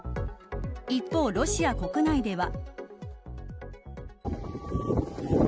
一方、ロシア国内では。